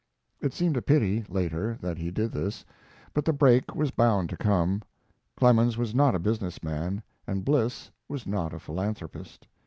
It seemed a pity, later, that he did this, but the break was bound to come. Clemens was not a business man, and Bliss was not a philanthropist.